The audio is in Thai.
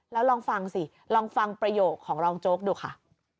แล้วลองฟังสิลองฟังประโยคของรองโจ๊กดูค่ะ